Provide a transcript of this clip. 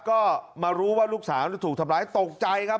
ก็มารู้ว่าลูกสาวถูกทำร้ายตกใจครับ